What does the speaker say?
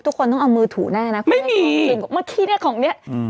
ทุกคนต้องเอามือถูแน่นะคุณแม่จริงบอกเมื่อกี้เนี้ยของเนี้ยอืม